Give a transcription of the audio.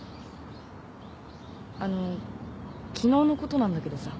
あの昨日のことなんだけどさ。